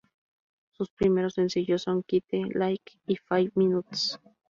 Sus primeros sencillos son "Quite Like" y Five Minutes.